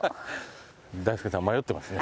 大輔さん迷ってますね。